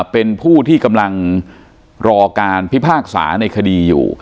เป็นผู้ที่กำลังรอการพิพากษาในคดีอยู่